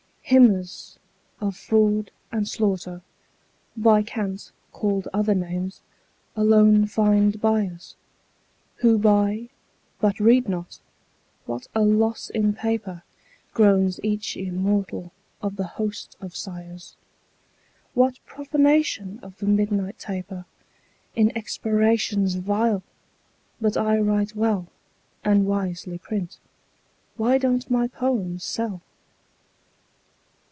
Hymners of fraud and slaughter, By cant called other names, alone find buyers Who buy, but read not. "What a loss in paper," Groans each immortal of the host of sighers! "What profanation of the midnight taper In expirations vile! But I write well, And wisely print. Why don't my poems sell?"